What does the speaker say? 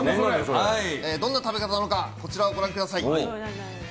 どんな食べ方なのかこちらをご覧ください。